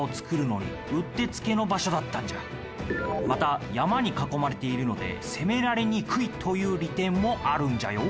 また山に囲まれているので攻められにくいという利点もあるんじゃよ。